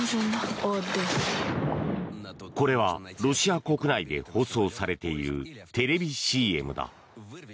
これはロシア国内で放送されているテレビＣＭだ。